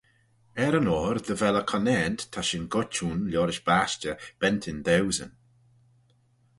Er-yn-oyr dy vel y conaant, ta shin goit ayn liorish bashtey, bentyn dauesyn.